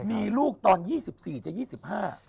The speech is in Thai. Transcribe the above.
มีลูกตอน๒๔จะ๒๕